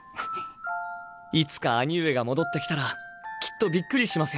いつか兄上が戻ってきたらきっとびっくりしますよ。